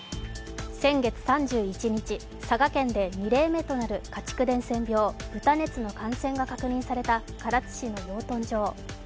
先月３１日、佐賀県で２例目となる家畜伝染病、豚熱の感染が確認された唐津市の養豚場。